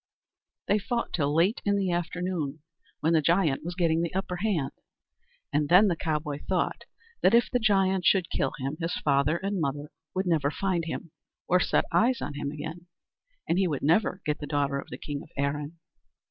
They fought till late in the afternoon when the giant was getting the upper hand; and then the cowboy thought that if the giant should kill him, his father and mother would never find him or set eyes on him again, and he would never get the daughter of the king of Erin.